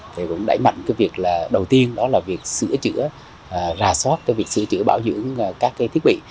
tôi cũng đẩy mạnh việc sửa chữa rà soát sửa chữa bảo dưỡng các thiết bị